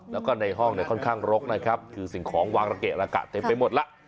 แล้วก็ในห้องเนี่ยค่อนข้างรกนะครับคือสิ่งของวางระเกะระกะเต็มไปหมดแล้ว